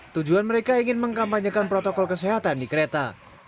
tujuan mereka ingin mengkampanyekan protokol kesehatan di kereta